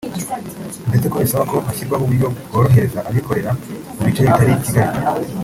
ndetse ko bisaba ko hashyirwaho uburyo bworohereza abikorera mu bice bitari Kigali